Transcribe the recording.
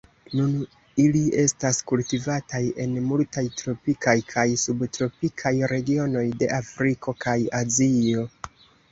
Nun ili estas kultivataj en multaj tropikaj kaj subtropikaj regionoj de Afriko kaj Azio.